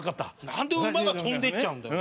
何で馬が跳んでいっちゃうんだよ。